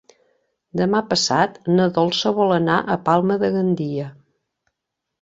Demà passat na Dolça vol anar a Palma de Gandia.